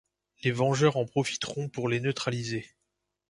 Les vengeurs en profiteront pour les neutraliser.